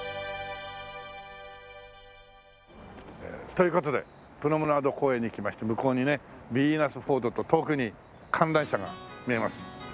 という事でプロムナード公園に来まして向こうにねヴィーナスフォートと遠くに観覧車が見えます。